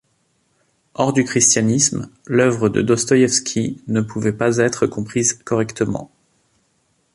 Hors du christianisme l'œuvre de Dostoïevski ne pouvait pas être comprise correctement.